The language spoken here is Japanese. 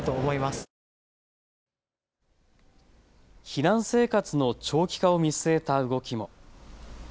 避難生活の長期化を見据えた動きも。